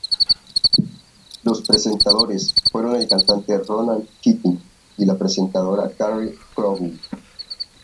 Los presentadores fueron el cantante Ronan Keating y la presentadora Carrie Crowley.